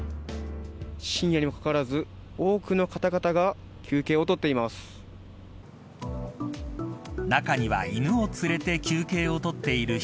深夜にもかかわらず多くの方々が休憩を取っています。